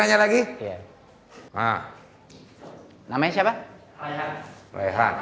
apa cita cita anda yang merapatkan